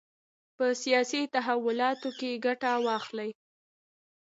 په سیاسي تحولاتو کې ګټه واخلي.